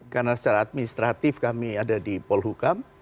karena secara administratif kami ada di polhukam